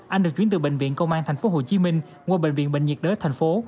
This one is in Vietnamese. anh được chuyển từ bệnh viện công an thành phố hồ chí minh qua bệnh viện bệnh nhiệt đới thành phố